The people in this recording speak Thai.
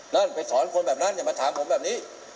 นั่นไปสอนคนแบบนั้นอย่ามาถามผมแบบนี้